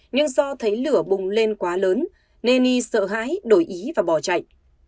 nhưng do thấy lửa bùng lên quá lớn nên y sợ hãi đổi ý và bỏ chạy